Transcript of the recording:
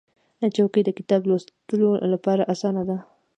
چوکۍ د کتاب لوستلو لپاره اسانه ده.